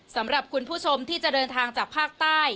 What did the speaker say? สำหรับคุณผู้ชมที่จะเดินทางจากภาคใต้